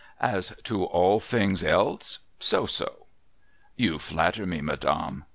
As to all things else, so so.' ' You flatter me, madame.'